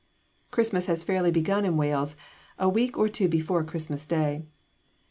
Christmas has fairly begun in Wales a week or two before Christmas day.